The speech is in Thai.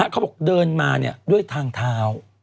เขาบอกเดินมาด้วยทางเท้า